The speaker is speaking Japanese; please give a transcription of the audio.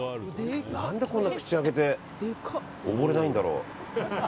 何で、こんな口開けて溺れないんだろう。